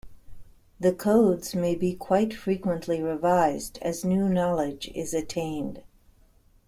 The codes may be quite frequently revised as new knowledge is attained.